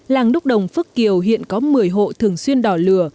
làng đúc đồng phước kiều hiện có một mươi hộ thường xuyên đỏ lửa